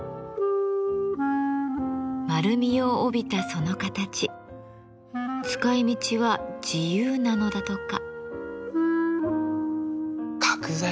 丸みを帯びたその形使い道は自由なのだとか。